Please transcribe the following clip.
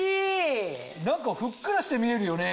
何かふっくらして見えるよね。